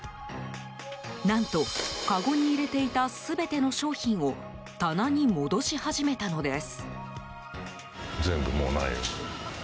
何と、かごに入れていた全ての商品を棚に戻し始めたのです。